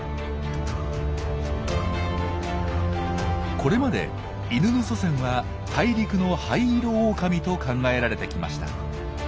これまでイヌの祖先は大陸のハイイロオオカミと考えられてきました。